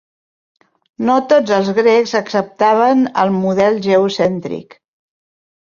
No tots els grecs acceptaven el model geocèntric.